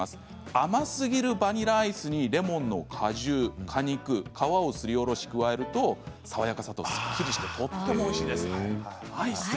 甘すぎるバニラアイスにレモンの果汁果肉、皮をすりおろして加えると爽やかさとすっきりしてとてもおいしいです。